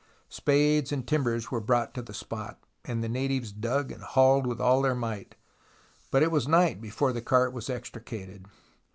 Spades and timbers were brought to the spot, and the natives dug and hauled with all their might, but it was night before the cart was extricated.